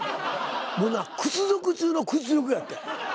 もうな屈辱中の屈辱やってん。